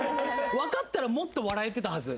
分かったらもっと笑えてたはず。